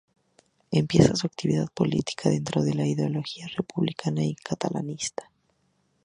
Empieza su actividad política dentro la ideología republicana y catalanista.